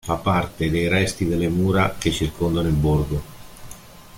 Fa parte dei resti delle mura che circondano il borgo.